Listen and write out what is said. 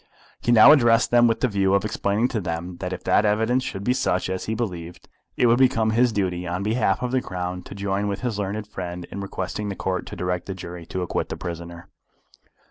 He now addressed them with the view of explaining to them that if that evidence should be such as he believed, it would become his duty on behalf of the Crown to join with his learned friend in requesting the Court to direct the jury to acquit the prisoner.